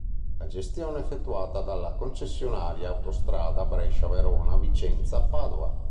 La gestione è effettuata dalla concessionaria Autostrada Brescia-Verona-Vicenza-Padova.